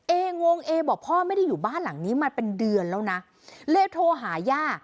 เองงงเอบอกพ่อไม่ได้อยู่บ้านหลังนี้มาเป็นเดือนแล้วนะเลยโทรหาย่า